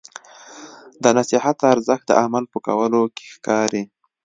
د نصیحت ارزښت د عمل په کولو کې ښکاري.